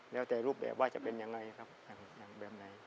แล้วแต่รูปแบบว่าจะเป็นยังไงครับอย่างแบบไหน